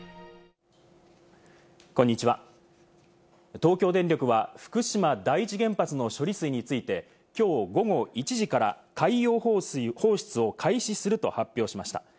東京電力は福島第一原発の処理水について、きょう午後１時から海洋放出を開始すると発表しました。